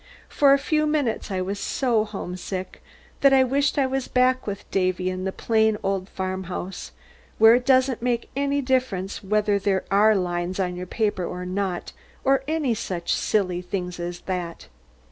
For a few minutes I was so homesick that I wished I was back with Davy in the plain old farmhouse, where it doesn't make any difference whether there are lines on your paper or not, or any such silly things as that.